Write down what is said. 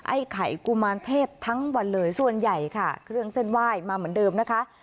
ไอ้ไข่กุมารเทพทั้งวันเลยส่วนใหญ่ค่ะเครื่องเส้นไหว้มาเหมือนเดิมนะคะ